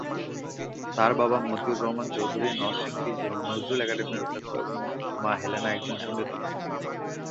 তার বাবা মতিউর রহমান চৌধুরী নরসিংদী নজরুল একাডেমির অধ্যক্ষ এবং মা হেলেনা একজন সঙ্গীতজ্ঞ।